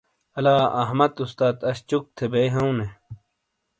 الہ احمد استاس اش چُک تھے بیۓ ہاؤں نے ۔